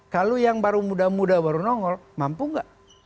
kalau yang baru muda muda baru nongol mampu nggak